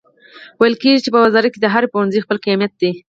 ویل کیږي چې په وزارت کې د هر پوهنځي خپل قیمت دی